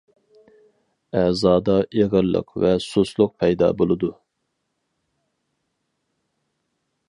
ئەزادا ئېغىرلىق ۋە سۇسلۇق پەيدا بولىدۇ.